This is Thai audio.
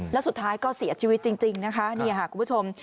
และสุดท้ายก็เสียชีวิตจริงนะคะคุณผู้ชม